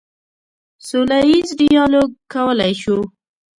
سوله ییز ډیالوګ کولی شو.